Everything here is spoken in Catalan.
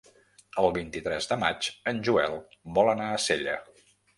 El vint-i-tres de maig en Joel vol anar a Sella.